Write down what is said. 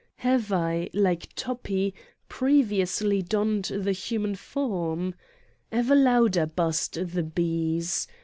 Have I, like Toppi, previously donned the human form? Ever louder buzzed the bees.